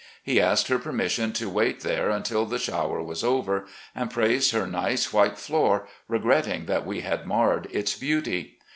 He asked her permission to wait there until the shower was over, and praised her nice white floor, regretting that we had marred its beauty.